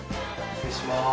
失礼します。